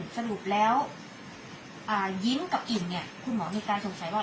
สรุปแล้วยิ้มกับอิ่มเนี่ยคุณหมอมีการสงสัยว่า